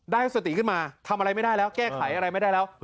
ได้สติขึ้นมาทำอะไรไม่ได้แล้วแก้ไขอะไรไม่ได้แล้ว